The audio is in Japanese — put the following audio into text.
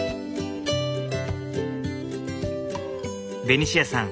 ベニシアさん